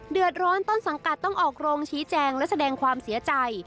เดือดร้อนต้นสังกัดต้องออกโรงชี้แจงและแสดงความเสียใจ